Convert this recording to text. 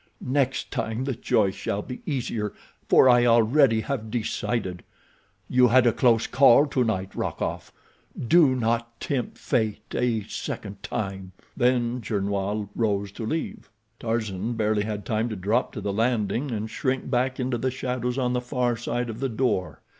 Next time the choice shall be easier, for I already have decided. You had a close call tonight, Rokoff; do not tempt fate a second time." Then Gernois rose to leave. Tarzan barely had time to drop to the landing and shrink back into the shadows on the far side of the door.